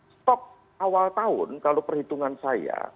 stok awal tahun kalau perhitungan saya